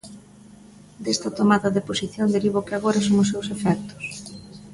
Desta tomada de posición deriva o que agora son os seus efectos.